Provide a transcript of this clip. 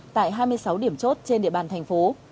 tại hai mươi sáu điểm chốt trên địa bàn thành phố